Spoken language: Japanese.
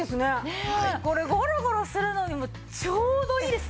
これごろごろするのにもちょうどいいですね。